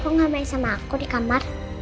aku ngapain sama aku di kamar